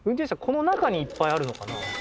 この中にいっぱいあるのかな？